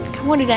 kamu udah dateng